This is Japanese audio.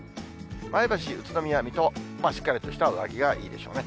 前橋、宇都宮、水戸、しっかりとした上着がいいでしょうね。